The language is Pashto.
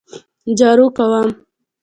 جارو کوم